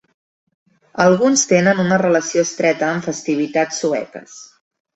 Alguns tenen una relació estreta amb festivitats sueques.